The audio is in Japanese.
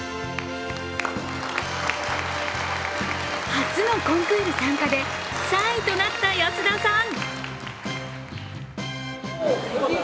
初のコンクール参加で３位となった安田さん。